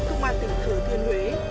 công an tỉnh thừa thiên huế